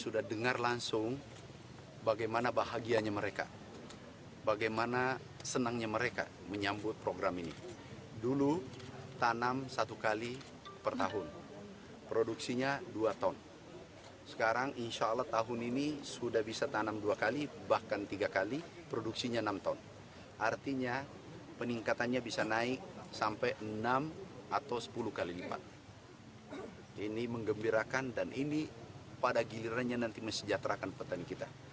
dan ini pada gilirannya nanti mesejahterakan petani kita